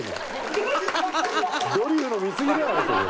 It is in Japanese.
ドリフの見すぎだよそれ。